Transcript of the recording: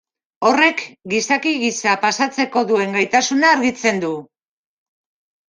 Horrek gizaki giza pasatzeko duen gaitasuna argitzen du.